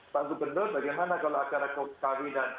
pak gubernur bagaimana kalau akan aku kahwinan